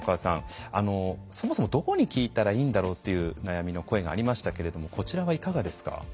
そもそもどこに聞いたらいいんだろうという悩みの声がありましたけれどもこちらはいかがですか？